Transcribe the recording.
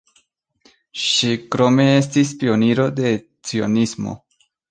Ŝi krome estis pioniro de cionismo.